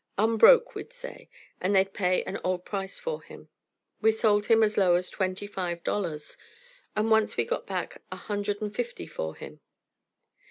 "Unbroke," we'd say, and they'd pay any old price for him. We sold him as low as twenty five dollars, and once we got a hundred and fifty for him.